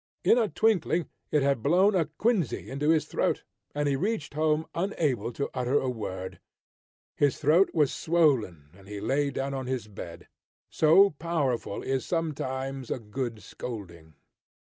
In a twinkling it had blown a quinsy into his throat, and he reached home unable to utter a word. His throat was swollen, and he lay down on his bed. So powerful is sometimes a good scolding!